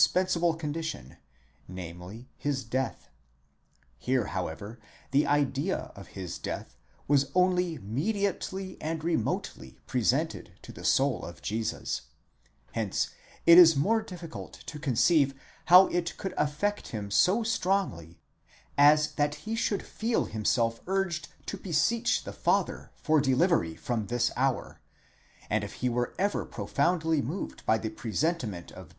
pensable condition, namely, his death, Here, however, the idea of his death is only mediately and remotely presented to the soul of Jesus ; hence it is the more difficult to conceive how it could affect him so strongly, as that he should feel himself urged to beseech the Father for delivery from this hour ; and if he were ever profoundly moved by the presentiment of death, the ἢ Goldhorn, iiber das Schweigen des Joh.